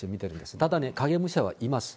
ただね、影武者はいます。